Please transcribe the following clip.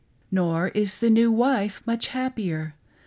435 Nor is the new wife much happier.